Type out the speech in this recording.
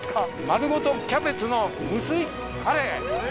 丸ごとキャベツの無水カレー！え！